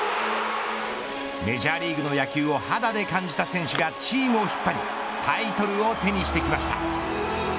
メジャーリーグの野球を肌で感じた選手がチームを引っ張りタイトルを手にしてきました。